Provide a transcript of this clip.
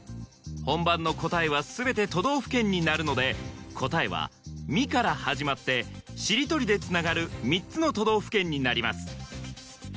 本番の答えは全て都道府県になるので答えは「み」から始まってしりとりでつながる３つの都道府県になります